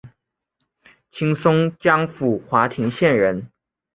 清松江府华亭县人。